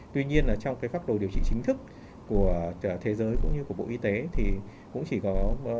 tuy nhiên là trong cái phác đồ điều trị chính thức của thế giới cũng như của bộ y tế thì cũng chỉ có